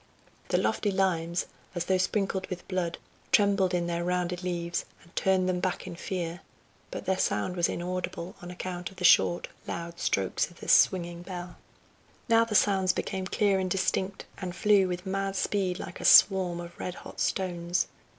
The lofty limes, as though sprinkled with blood, trembled in their rounded leaves, and turned them back in fear, but their sound was inaudible on account of the short, loud strokes of the swinging bell. Now the sounds became clear and distinct, and flew with mad speed like a swarm of red hot stones.